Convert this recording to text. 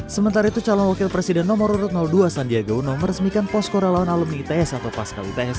sementara itu calon wakil presiden nomor urut dua sandiaga uno meresmikan posko relawan alumni its atau pasca its